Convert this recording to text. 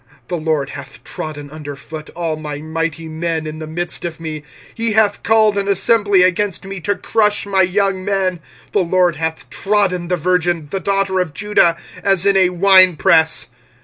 25:001:015 The LORD hath trodden under foot all my mighty men in the midst of me: he hath called an assembly against me to crush my young men: the LORD hath trodden the virgin, the daughter of Judah, as in a winepress.